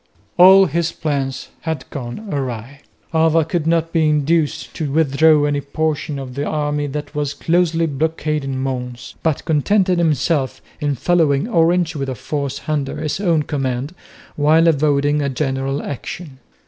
All his plans had gone awry. Alva could not be induced to withdraw any portion of the army that was closely blockading Mons, but contented himself in following Orange with a force under his own command while avoiding a general action.